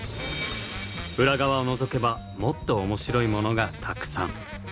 裏側をのぞけばもっと面白いものがたくさん。